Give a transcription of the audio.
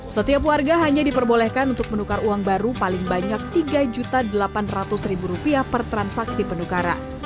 setiap warga hanya diperbolehkan untuk menukar uang baru paling banyak rp tiga delapan ratus per transaksi penukaran